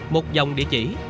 một dòng địa chỉ